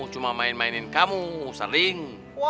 cuma main mainin kamu sering